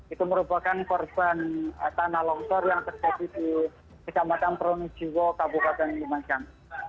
itu merupakan korban tanah longsor yang terjadi di kecamatan pronojiwo kabupaten lumajang